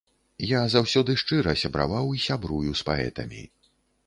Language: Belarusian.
Я заўсёды шчыра сябраваў і сябрую з паэтамі.